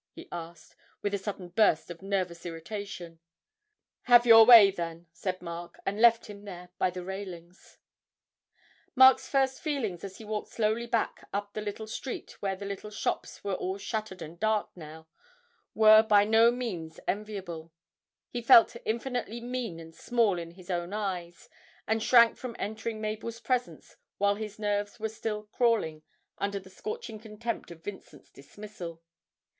he asked, with a sudden burst of nervous irritation. 'Have your way then?' said Mark, and left him there by the railings. Mark's first feelings as he walked slowly back up the little street where the little shops were all shuttered and dark now, were by no means enviable; he felt infinitely mean and small in his own eyes, and shrank from entering Mabel's presence while his nerves were still crawling under the scorching contempt of Vincent's dismissal.